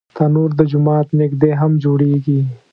تنور د جومات نږدې هم جوړېږي